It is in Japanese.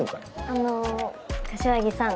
あの柏木さん。